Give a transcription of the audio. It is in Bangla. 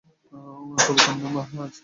কবিতার নাম "আহা, আজ কি আনন্দ অপার!"।